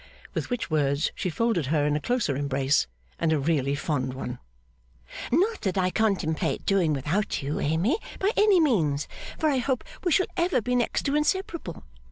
With which words she folded her in a closer embrace, and a really fond one. 'Not that I contemplate doing without You, Amy, by any means, for I hope we shall ever be next to inseparable.